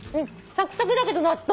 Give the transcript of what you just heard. サクサクだけど納豆。